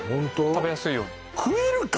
食べやすいように食えるか？